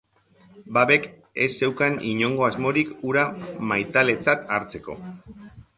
Babek ez zeukan inongo asmorik hura maitaletzat hartzeko.